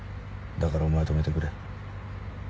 だからお前止めてくれ。